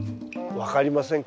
分かりませんか？